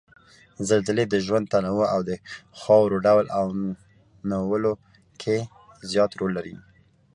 زلزلې د ژوند تنوع او د خاورو ډول او نويولو کې زیات رول لري